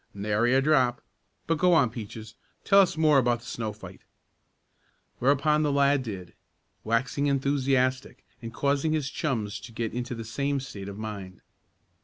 "Nary a drop. But go on, Peaches. Tell us more about the snow fight." Whereupon the lad did, waxing enthusiastic, and causing his chums to get into the same state of mind.